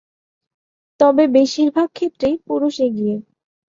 তবে, বেশির ভাগ ক্ষেত্রেই পুরুষ এগিয়ে।